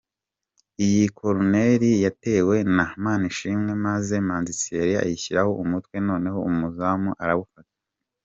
Iyi koruneli yatewe na Manishimwe maze Manzi Thierry ashyiraho umutwe noneho umuzamu arawufata.